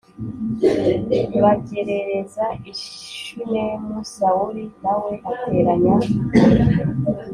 bagerereza i Shunemu Sawuli na we ateranya